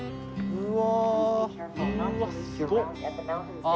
うわ。